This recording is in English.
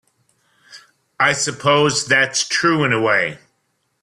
I suppose that's true in a way.